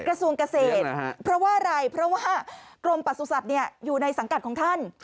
กระทรวงเกษตรเพราะว่าอะไรเพราะว่ากรมประสุทธิ์อยู่ในสังกัดของท่าน